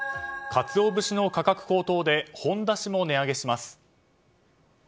カツオ節の価格高騰でほんだしも値上げします。